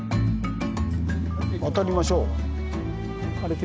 渡りましょう。